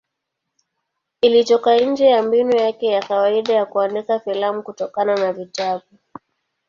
Ilitoka nje ya mbinu yake ya kawaida ya kuandika filamu kutokana na vitabu.